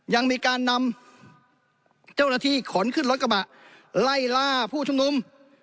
ยังมีการนำเจ้าหน้าที่ขนขึ้นรถกระบะไล่ล่าผู้ชุมนุม